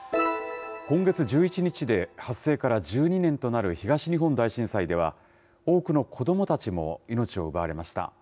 今月１１日で発生から１２年となる東日本大震災では、多くの子どもたちも命を奪われました。